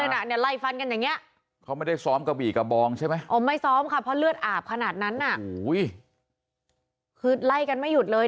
หลับขนาดนั้นคือไล่กันไม่หยุดเลย